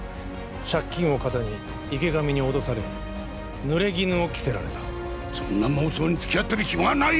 借金をかたに池上に脅され濡れ衣を着せられたそんな妄想に付き合ってる暇はないよ！